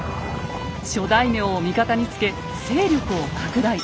諸大名を味方につけ勢力を拡大。